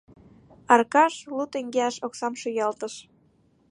Аркаш лу теҥгеаш оксам шуялтыш.